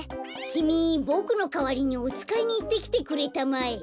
きみボクのかわりにおつかいにいってきてくれたまえ。